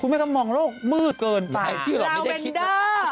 คุณแม่ก็มองโรคมืดเกินป่าวแม่ชื่อหรอไม่ได้คิดนะ